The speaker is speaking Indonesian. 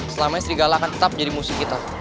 selama ini serigala akan tetap jadi musuh kita